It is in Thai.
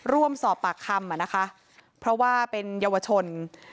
ร่วมสอบปากคำอ่ะนะคะเพราะว่าเป็นเยาวชน